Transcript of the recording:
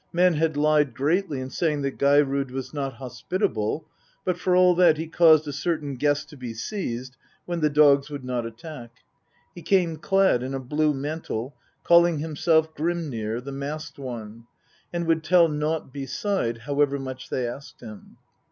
Men had lied greatly in saying that Geirrod was not hospitable, but for all that he caused a certain guest to be seized, whom the dogs would not attack. He came clad in a blue mantle, calling himself Grimnir, the Masked One, and would tell nought beside, however much they asked him.